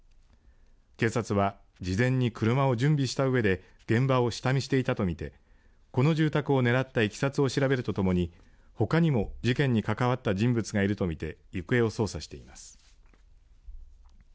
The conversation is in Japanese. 警察は事前に車を準備したうえで現場を下見していたと見てこの住宅をねらったいきさつを調べるとともにほかにも事件に関わった人物がいるとみて行方を捜査しています。